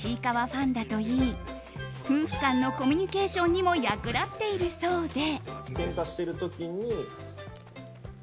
ファンだといい夫婦間のコミュニケーションにも役立っているそうで。